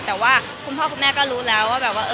แต่ว่าคุณพ่อคุณแม่ก็รู้แล้วว่าแบบว่า